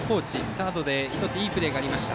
サードで１ついいプレーがありました。